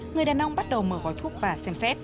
người đàn ông bắt đầu mở gói thuốc và xem xét